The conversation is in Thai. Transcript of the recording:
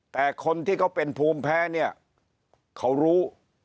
แต่คนที่เขาเป็นภูมิแพ้เนี่ยเขารู้